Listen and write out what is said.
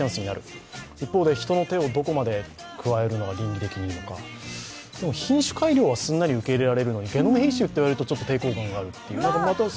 一方で人の手をどこまで加えるのが倫理的にいいのか、品種改良はすんなり受け入れられるのにゲノム編集と言われると受け入れられなくなる。